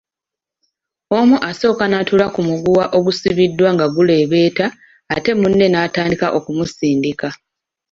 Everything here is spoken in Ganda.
Omu asooka n’atuula ku muguwa ogusibiddwa nga guleebeeta ate munne n’atandika okumusindika.